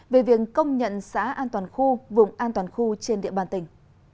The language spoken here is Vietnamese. về việc công nhận xã an toàn khu vùng an toàn khu trên địa bàn tỉnh